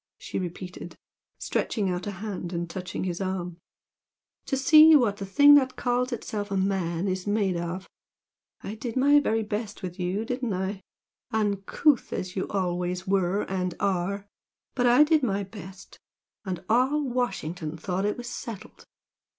she repeated, stretching out a hand and touching his arm "To see what the thing that calls itself a man is made of! I did my very best with you, didn't I? uncouth as you always were and are! but I did my best! And all Washington thought it was settled!